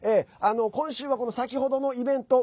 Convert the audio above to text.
今週は先ほどのイベント